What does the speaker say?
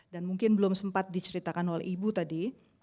dan mungkin belum sempat diceritakan oleh ibu tadi